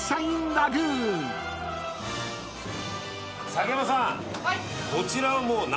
先山さん。